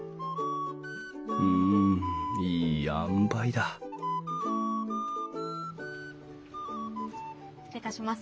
うんいいあんばいだ失礼いたします。